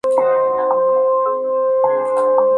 Estuvo protagonizada por Romy Schneider y Bruno Cremer.